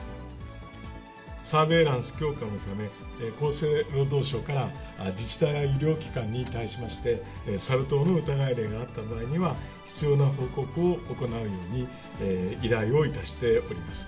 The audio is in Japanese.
サーベイランス強化のため、厚生労働省から自治体や医療機関に対しまして、サル痘の疑い例があった場合には、必要な報告を行うように、依頼をいたしております。